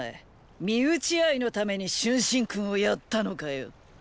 身内愛のために春申君を殺ったのかよ。